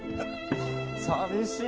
寂しい。